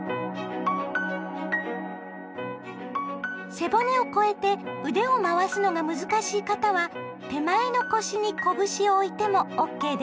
背骨を越えて腕を回すのが難しい方は手前の腰に拳を置いてもＯＫですよ。